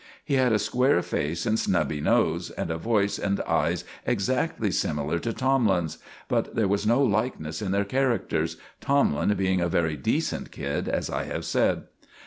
He had a square face and snubby nose, and a voice and eyes exactly similar to Tomlin's; but there was no likeness in their characters, Tomlin being a very decent kid, as I have said.